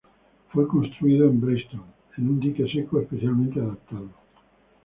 Fue construido en Bristol, en un dique seco especialmente adaptado.